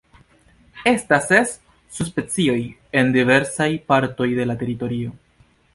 Estas ses subspecioj en diversaj partoj de la teritorio.